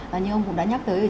và như ông cũng đã nhắc tới